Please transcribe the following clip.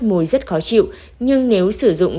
mùi rất khó chịu nhưng nếu sử dụng